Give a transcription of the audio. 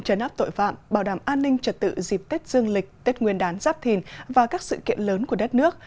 chấn áp tội phạm bảo đảm an ninh trật tự dịp tết dương lịch tết nguyên đán giáp thìn và các sự kiện lớn của đất nước